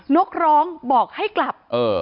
นกร้องบอกให้กลับ